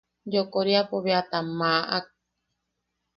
Yokoriapo bea tam maʼak.